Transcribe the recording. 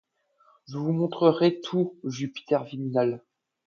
Je vous montrerai tout, Jupiter Viminal